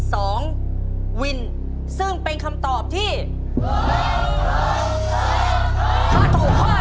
ถ้าถูกข้อแรกนะครับ๕๐๐๐บาท